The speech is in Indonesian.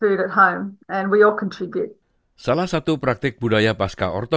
kita masih memiliki makanan peserta peserta